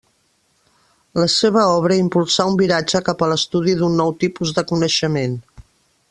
La seva obra impulsà un viratge cap a l'estudi d'un nou tipus de coneixement.